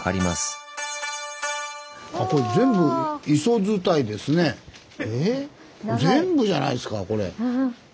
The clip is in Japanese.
えぇ⁉全部じゃないですかこれ。